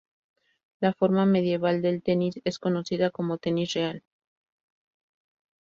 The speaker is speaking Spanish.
La forma medieval del tenis es conocida como tenis real.